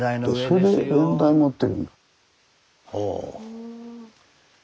それで蓮台持ってるんだ。